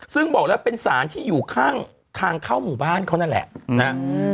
ซึ่งบอกแล้วเป็นสารที่อยู่ข้างทางเข้าหมู่บ้านเขานั่นแหละนะฮะ